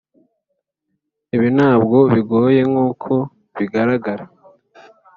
ibi ntabwo bigoye nkuko bigaragara.